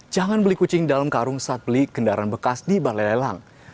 jangan beli kucing dalam karung saat beli kendaraan bekas di balai lelang